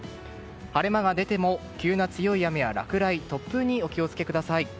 晴れ間が出ても急な強い雨や落雷、突風にお気を付けください。